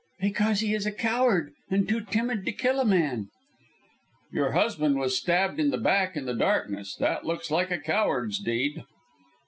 "Because he is a coward, and too timid to kill a man." "Your husband was stabbed in the back in the darkness. That looks like a coward's deed."